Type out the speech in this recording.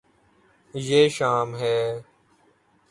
یے شام ہے